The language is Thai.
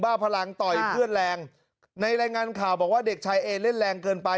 พลังต่อยเพื่อนแรงในรายงานข่าวบอกว่าเด็กชายเอเล่นแรงเกินไป